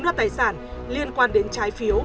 đoạt tài sản liên quan đến trái phiếu